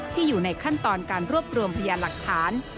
อยู่ในขั้นตอนการรวบรวมพยานหลักฐาน